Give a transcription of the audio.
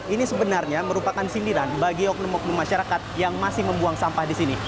ini sebenarnya merupakan sindiran bagi oknum oknum masyarakat yang masih membuang sampah di sini